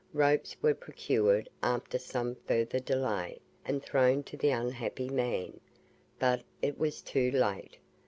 Ropes were procured after some further delay, and thrown to the unhappy man but it was too late.